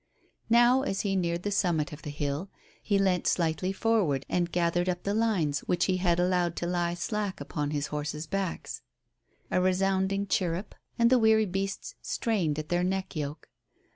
Now, as he neared the summit of the hill, he leant slightly forward and gathered up the lines which he had allowed to lie slack upon his horses' backs. A resounding "chirrup" and the weary beasts strained at their neck yoke.